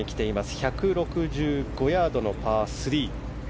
１６５ヤードのパー３。